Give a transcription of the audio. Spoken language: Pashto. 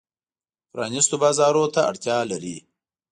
پرانیستو بازارونو ته اړتیا لري.